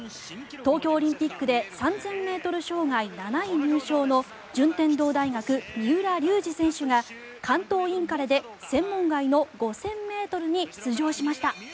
東京オリンピックで３０００ｍ障害７位入賞の順天堂大学、三浦龍司選手が関東インカレで専門外の５０００ｍに出場しました。